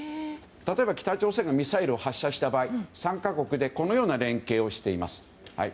例えば、北朝鮮がミサイルを発射した場合３か国でこのような連携をしています。